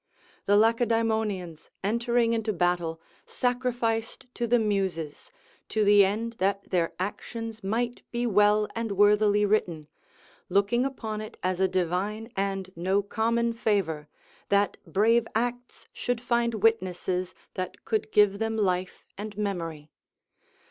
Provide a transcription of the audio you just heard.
The Lacedaemonians, entering into battle, sacrificed to the Muses, to the end that their actions might be well and worthily written, looking upon it as a divine and no common favour, that brave acts should find witnesses that could give them life and memory.